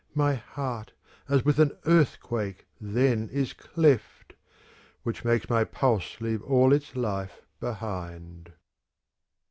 My heart, as with an earthquake, then is cleft. Which makes my pulse leave all its life behind.